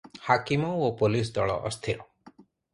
ହାକିମ ଓ ପୋଲିସ ଦଳ ଅସ୍ଥିର ।